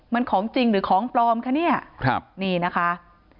มันของจริงหรือของปลอมคะเนี่ยครับนี่นะคะ